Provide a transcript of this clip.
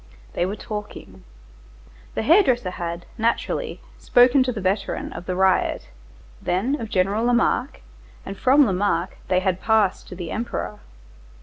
They were talking. The hair dresser had, naturally, spoken to the veteran of the riot, then of General Lamarque, and from Lamarque they had passed to the Emperor.